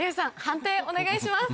判定お願いします。